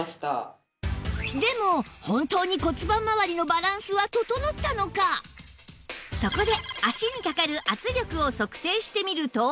でもそこで足にかかる圧力を測定してみると